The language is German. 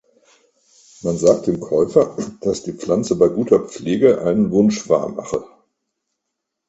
Man sagt dem Käufer, dass die Pflanze bei guter Pflege einen Wunsch wahr mache.